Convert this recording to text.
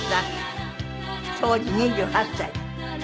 当時２８歳で。